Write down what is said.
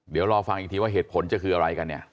เดี๋ยวรอฟังอีกทีว่าเหตุผลจะคืออะไรกันเนี่ย